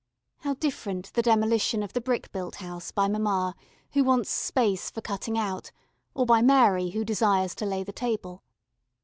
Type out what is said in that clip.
How different the demolition of the brick built house by mamma, who wants space for cutting out, or by Mary, who desires to lay the table.